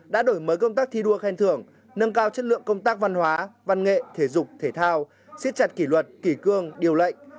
đã đổi mới công tác thi đua khen thưởng nâng cao chất lượng công tác văn hóa văn nghệ thể dục thể thao xiết chặt kỷ luật kỷ cương điều lệnh